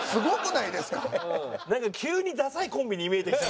なんか急にダサいコンビに見えてきた。